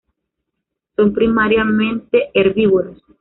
Son primariamente herbívoros.